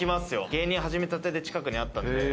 芸人始めたての頃、近くにあったんで。